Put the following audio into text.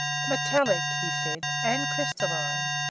"Metallic," he said, "and crystalline.